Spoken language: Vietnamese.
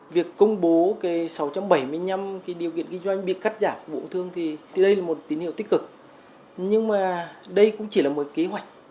việc công bố sáu trăm bảy mươi năm điều kiện kinh doanh bị cắt giảm của bộ công thương thì đây là một tín hiệu tích cực nhưng mà đây cũng chỉ là một kế hoạch